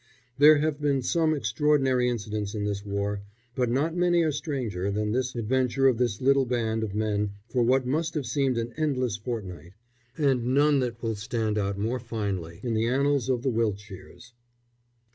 There have been some extraordinary incidents in this war, but not many are stranger than this adventure of this little band of men for what must have seemed an endless fortnight, and none that will stand out more finely in the annals of the Wiltshires.